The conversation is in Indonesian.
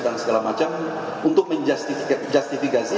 dan segala macam untuk menjustifikasi